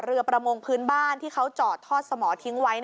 ประมงพื้นบ้านที่เขาจอดทอดสมอทิ้งไว้